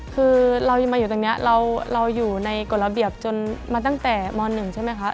คือเรายังมาอยู่ตรงนี้เราอยู่ในกฎระเบียบจนมาตั้งแต่ม๑ใช่ไหมคะ